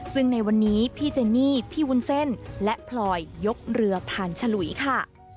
ซึ่งในวันนี้พี่เจนี่พี่วุ้นเส้นและพลอยยกเรือผ่านฉลุยค่ะ